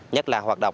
nhất là hoạt động